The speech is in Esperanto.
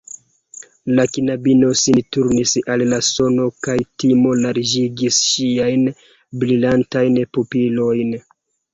La knabino sin turnis al la sono, kaj timo larĝigis ŝiajn brilantajn pupilojn.